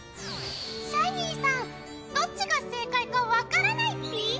シャイニーさんどっちが正解かわからないっぴぃ？